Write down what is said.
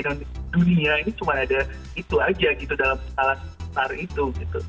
di dunia ini cuma ada itu aja gitu dalam salah satu